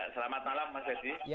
selamat malam mas ferdi